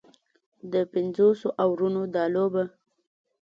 د پنځوسو اورونو دا لوبه